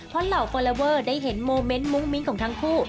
เพราะเหล่าฟอลลอเวอร์ได้เห็นโมเมนต์มุ้งมิ้งของทั้งคู่